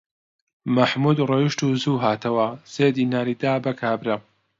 مەحموود ڕۆیشت و زوو هاتەوە، سێ دیناری دا بە کابرا